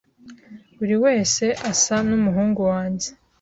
buri wese asa n’umuhungu wanjye.